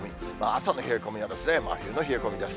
朝の冷え込みは真冬の冷え込みです。